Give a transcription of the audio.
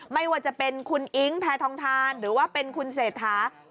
ไม่ว่าจะเป็นคุณอิ๊งแพทองทานหรือว่าเป็นคุณเศรษฐา